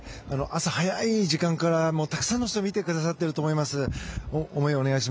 最後に、朝早い時間からたくさんの人が見てくださっていると思います。